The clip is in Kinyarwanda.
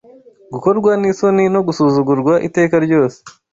Gukorwa n’isoni no gusuzugurwa iteka ryose